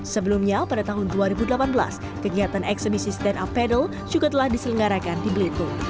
sebelumnya pada tahun dua ribu delapan belas kegiatan eksemisi stand up pedal juga telah diselenggarakan di belitung